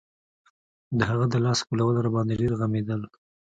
د هغه د لاس ښکلول راباندې ډېر غمېدل.